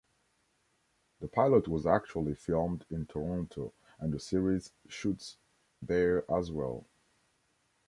The pilot was actually filmed in Toronto, and the series shoots there as well.